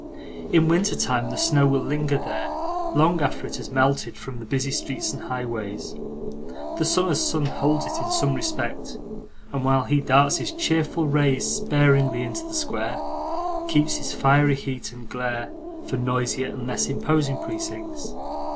In winter time, the snow will linger there, long after it has melted from the busy streets and highways. The summer's sun holds it in some respect, and while he darts his cheerful rays sparingly into the square, keeps his fiery heat and glare for noisier and less imposing precincts.